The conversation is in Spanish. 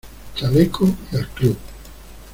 ¡ chaleco y al club!